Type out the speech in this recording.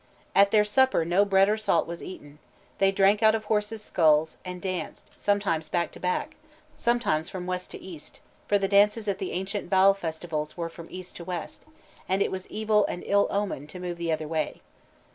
At their supper no bread or salt was eaten; they drank out of horses' skulls, and danced, sometimes back to back, sometimes from west to east, for the dances at the ancient Baal festivals were from east to west, and it was evil and ill omened to move the other way.